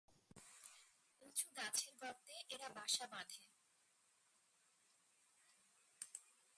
উঁচু গাছের গর্তে এরা বাসা বাঁধে।